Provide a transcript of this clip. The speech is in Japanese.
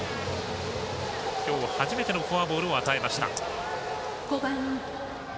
きょう初めてのフォアボールを与えました。